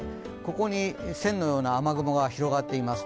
ここに線のような雨雲が広がっています。